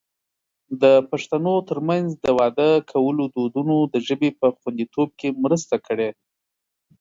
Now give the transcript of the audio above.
د پښتنو ترمنځ د واده کولو دودونو د ژبې په خوندیتوب کې مرسته کړې.